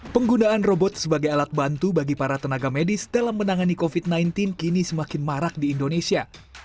penggunaan robot sebagai alat bantu bagi para tenaga medis dalam menangani covid sembilan belas kini semakin marak di indonesia